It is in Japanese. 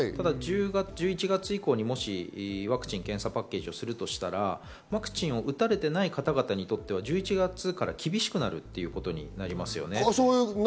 １１月以降にワクチン・検査パッケージがあるとしたら、ワクチンを打たれていない方にとっては１１月から厳しくなるということになりますよね。